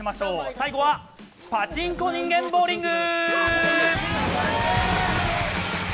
最後はパチンコ人間ボウリング。